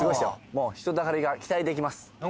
もう人だかりが期待できます